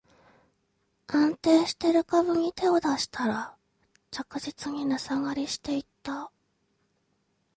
安定してる株に手を出したら、着実に値下がりしていった